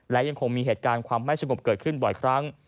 และยังคงมีเหตุการณ์ความไม่สงบเกิดขึ้นบ่อยครั้ง